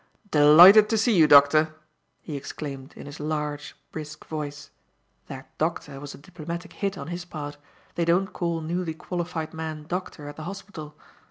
"Delighted to see you, Doctor!" he exclaimed in his large brisk voice (that "doctor" was a diplomatic hit on his part. They don't call newly qualified men "doctor" at the hospital.)